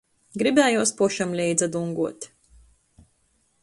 Gribējuos pošam leidza dunguot.